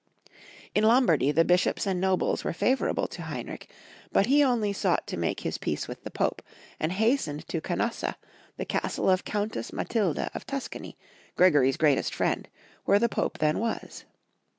In Lombardy the bishops and nobles were favor able to Heinrich, but he only sought to make his peace with the Pope, and hastened to Canossa, the castle of Countess Matilda of Tuscany, Gregory's greatest friend, where the Pope then was.